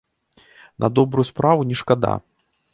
На добрую справу не шкада!